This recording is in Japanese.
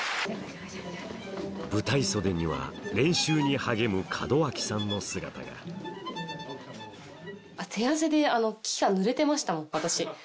舞台袖には練習に励む門脇さんの姿が手汗で木がぬれてましたもん私。